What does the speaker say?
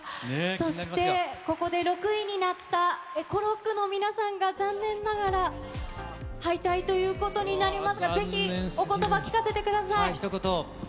そして、ここで６位になったＫｏＲｏｃＫの皆さんが、残念ながら敗退ということになりますが、ぜひ、おことば、聞かせひと言。